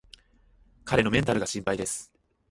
彼のメンタルが心配です